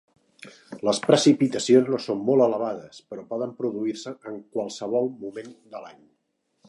Les precipitacions no són molt elevades, però poden produir-se en qualsevol moment de l'any.